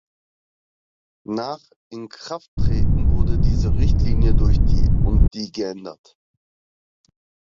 Nach Inkrafttreten wurde diese Richtlinie durch die und die geändert.